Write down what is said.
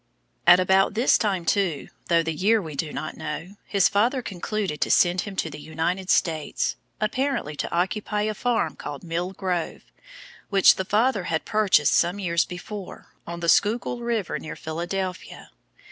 At about this time, too, though the year we do not know, his father concluded to send him to the United States, apparently to occupy a farm called Mill Grove, which the father had purchased some years before, on the Schuylkill river near Philadelphia.